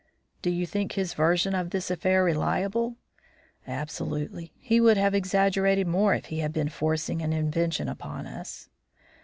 "Do you think his version of this affair reliable?" "Absolutely. He would have exaggerated more if he had been forcing an invention upon us."